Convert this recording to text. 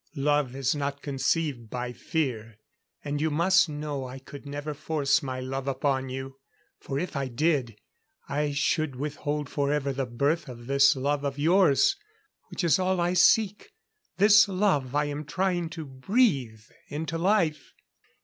Love is not conceived by fear. And you must know I could never force my love upon you. For if I did I should withhold forever the birth of this love of yours which is all I seek this love I am trying to breathe into life....